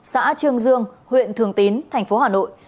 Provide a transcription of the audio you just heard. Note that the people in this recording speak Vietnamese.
xã trương dương huyện thường tín tp hà nội